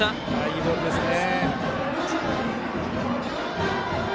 いいボールですね。